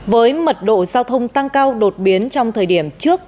với mật độ giao thông tăng cao đột biến trong thời điểm trước